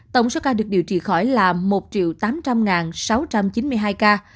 tổng số ca được điều trị khỏi là một tám trăm linh sáu trăm chín mươi hai ca